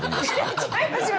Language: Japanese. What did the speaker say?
違いますよ！